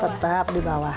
tetap di bawah